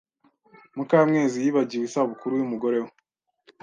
Mukamwezi yibagiwe isabukuru yumugore we.